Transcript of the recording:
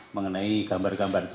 mengenai gambar gambar itu